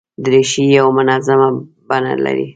دریشي یو منظمه بڼه لري.